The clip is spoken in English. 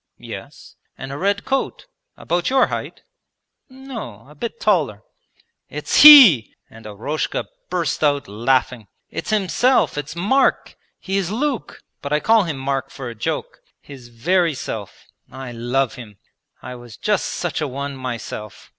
'Yes.' 'And a red coat? About your height?' 'No, a bit taller.' 'It's he!' and Eroshka burst out laughing. 'It's himself, it's Mark. He is Luke, but I call him Mark for a joke. His very self! I love him. I was just such a one myself.